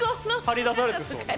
張り出されてそう。